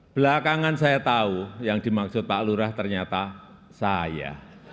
belakangan saya tahu yang dimaksud pak lurah ternyata saya